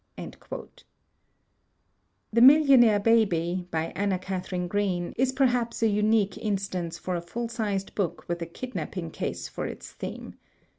"The Millionaire Baby," by Anna Katharine Green, is perhaps a imique instance of a full sized book with a kid napping case for its theme.